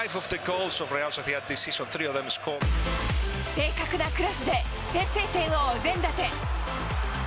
正確なクロスで、先制点をお膳立て。